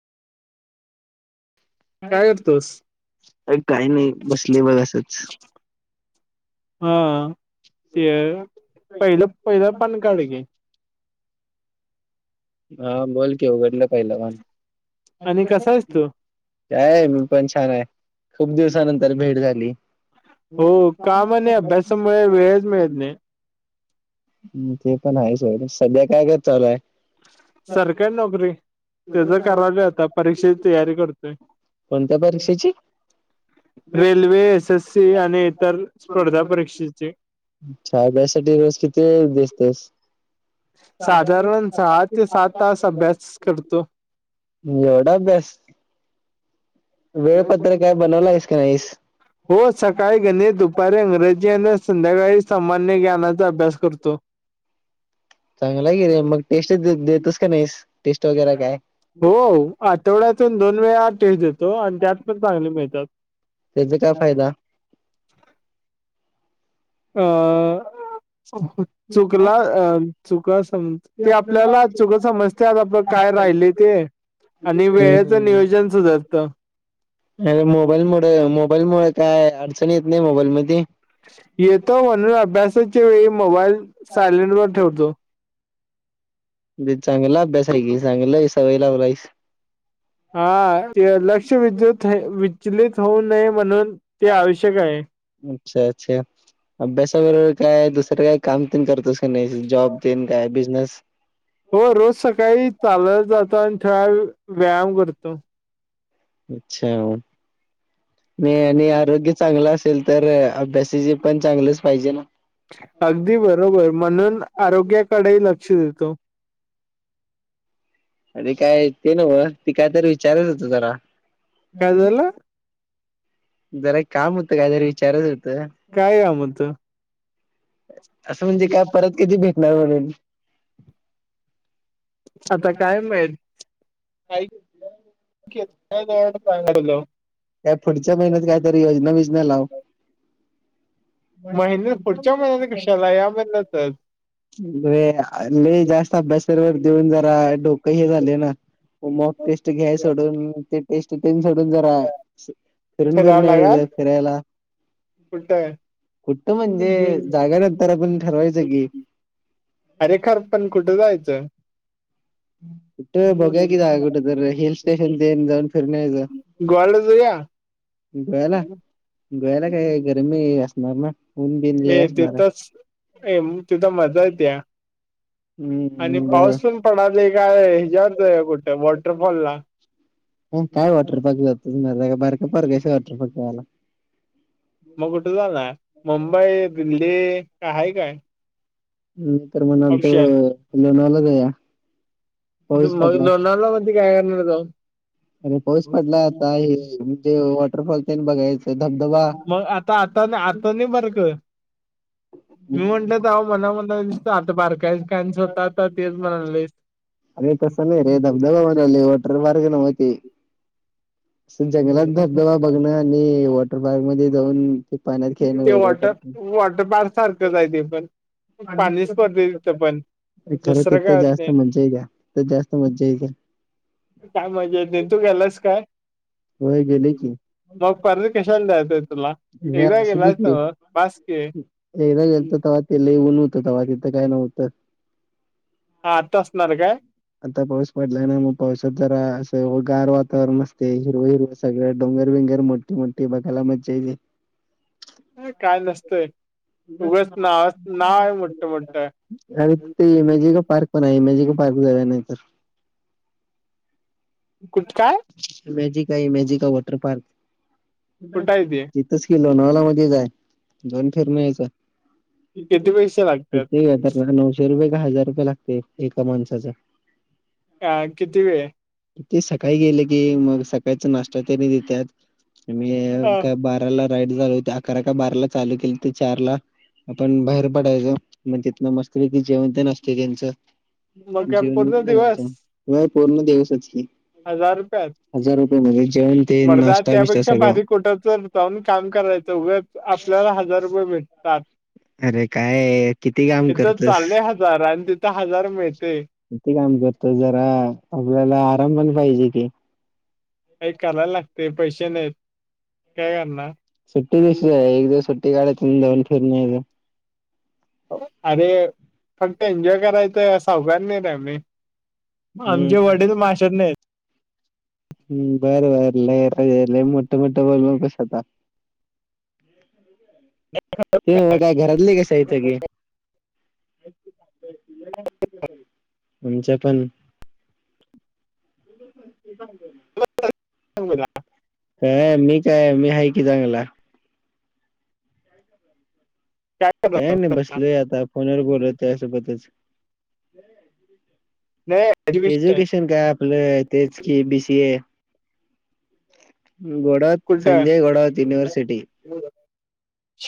काय करतोस अ काही नाही बसले बघ असंच. हा ते पहिलं पहिलं पान काढ की हा बोल की उघडलं पहिलं पान. आणि कसा आहेस तू काय मी पण छान आहे खूप दिवसानंतर भेट झाली. हो काम आणि अभ्यासामुळे वेळच मिळत नाही. ते पण आहेच हो सध्या काय काय चालूय आहे? सरकारी नोकरी त्याच करालोय परीक्षेची तयारी करतोय. कोणत्या परीक्षेची? रेल्वे एस एससी आणि इतर परीक्षेचे छहा [unintelligible] साठी रोज किती वेळ बसतोस साधारण सहा ते सात तास अभ्यास करतो. एवढा अभ्यास वेळपत्र काय बनवलं आहेस का नाहीस. हो सकाळी गणित दुपारी इंग्रजी आणि संध्याकाळी सामान्य ज्ञानाचा अभ्यास करतो. चांगला की रे मग टेस्ट देतोस का नाहीस. टेस्ट वगैरे काय? हो आठवड्यातून दोन वेळा टेस्ट देतो. तो आणि त्यात पण चांगले मिळतात. त्याचा काय फायदा? अ चुकला अ चुक समज ते आपल्याला चुका समजतात आपलं काय राहिले ते. आणि वेळेचं हम्म नियोजन सुधारत. अरे मोबाईल मु मोबाईल मुळ काय अडचण येत नाही मोबाईल मध्ये. येतो म्हणून अभ्यासाच्या वेळी मोबाईल सायलेंट वर ठेवतो. चांगला अभ्यास आहे की चांगलं सवय लावलायस. हा ते लक्ष विद्युत विचलित होऊ नये म्हणून ते आवश्यक आहे. अच्छा अच्छा अभ्यासाबरोबर काय दुसरं काय काम पण करतोस. नाही जॉब देन काय बिझनेस हो रोज सकाळी चालत जातो आणि थोडा वेळ व्यायाम करतो अच्छा नाही आणि आरोग्य चांगलं असते. आरोग्य असेल तर अभ्यासाचे पण पाहिजे ना. अगदी बरोबर म्हणून आरोग्याकडेही लक्ष देतो. अरे काय ते नव्हं ते काय तरी विचारायचं होतं जरा काय झाल? जरा एक काम होत काहीतरी विचारच होत. काय काम होत. असं म्हणजे काय परत कधी भेटणार वगैरे. आता काय माहित. [inaudible] [unintelligible] तर योजना बिजना लाव. महिन्यात पुढच्या महिन्यात कशाला या महिन्यातच. लई लई जास्त अभ्यास देऊन जरा डोक हे झाले ना मॉक टेस्ट घ्याय सोडून, ते टेस्ट तेन सोडून जरा फिरन फिरायला विरून लागाल यायचं फिरायला. कुठं? कुठं म्हणजे जागा नंतर आपण ठरवायचं की. अरे खर पण कुठं जायाचं? कुठे बघूया की जाऊया की कुठं तर हिल स्टेशन तेन जाऊन फिरुन यायचं. गोव्याला जाऊया? गोव्याला गोव्याला काय गरमी असणार ना. ऊन बिन ये लय असणार आहे. तिथंच ये तिथं मजा येत्या. आणि हम्म बरं पाऊस तेन पडाला काय [unintelligible] कुठं वॉटरफॉलला. ह काय वॉटर पार्क जातोस मर्दा, काय बारकं पोरगं हायस होय वॉटर पार्कला जायला? मग कुठं जाणार मुंबई दिल्ली काय आहे काय नाही तर म्हणालतो ऑप्शन लोनवाल्याला जाऊया, पाऊच पडलाय. तिथं काय करणार आहे जाऊन? अरे पाऊस पडलाय आता हे म्हणजे वॉटरफॉल तेन बघायचं. धबधबा मग आता आता आता नाही बारक? मी म्हंटल जाऊ मला म्हणाला दिसत बारका हायस काय आणि स्वतः आता तेच म्हणाय लागलायस. अरे तसं नाही रे धबधबा म्हणालोय वॉटर पार्क नव्हं ते. असं जंगलात धबधबा बघणं आणि वॉटर पार्क मध्ये जाऊन ते पाण्यात खेळणं ते वेगळ पडतंय. मी पण पाणी स्पर्धे तिथं पण खरं दुसरं काय तिथं होत जास्त नाही मज्जा येत्या, तिथं जास्त मज्जा येत्या. काय मज्जा येत्या, तू गेलास काय? होय गेले की मग परत कशाला जायचं हाय तुला? नाही एकदा असू दे गेलास की, नव्ह बास की एकदा गेलो होतो तवा ते लई ऊन होतं तवा तिथं काय नव्हतं. आता असणार काय? आता पाऊस पडलाय ना, मग पावसात जरा असं गार वातावरण मस्त हिरवं हिरवं सगळ्या डोंगर बिंगर मोठी मोठी बघायला मज्जा येती. काय नसतंय. उघच नाव नाव मोठ मोठ. अर ते इमॅजिक पार्क पण आहे इमॅजिक पार्क. जाऊया नाही तर. कुठ काय? मॅजिका हाय मॅजिका वॉटर पार्क. कुठं हाय ते? इथंच की लोणावळ्यामध्येच हाय, जाऊन फिरून यायचं. किती पैसे लागतात कितीे तर नऊशे रुपये का हजार रुपये लागतंय एका माणसाचं. का किती वेळ? ते सकाळी गेले की, मग सकाळचा नाश्ता त्यांनी देत्यात अ आणि काय बार अकराला राईड झाल होती अकरा का बाराला चालू केलं तर चारला आपण बाहेर पडायचं. मग तिथं मस्तपैकी जेवण तेन असतंय त्यांचं. मग काय जेवून पूर्ण दिवस निघायचं मग. होय पूर्ण दिवसच की. हजार रुपयात हजार रुपये म्हणजे जेवणतेन नाश्ता बिशटा सगळं कुठच जाऊन काम करायचं [unintelligible] आपल्याला हजार रुपये भेटतात अरे काय किती काम इथ करतोस चाले हजार आणि तिथं हजार मिळते किती काम करतोस जरा आपल्याला आराम पण पाहिजे की व्हय करायला लागत पैसे नाहीत काय करणार सुट्टी दिवशी जायच एक दिवस सुट्टी काढायच जाऊन फिर यायचं अरे फक्त एन्जॉय करायचंय सावकार नाही रे आम्ही आमचे हम्म वडील [unintelligible] नाहीत हम् बरं बर लय लय मोठं मोठं बोलू नकोस आता [inaudible] [inaudible] हो होय काय घरातले कसं हाईत सगळी [unintelligible] तुमच्या पण [inaudible] [unintelligible] [unintelligible] बोला अ मी काय मी आहे की चांगला. काय नाय बसलोय आता फोनवर बोल तुजासोबतच. Education gap. व्हय तेज की बीसीए [unintelligible] उलट [unintelligible]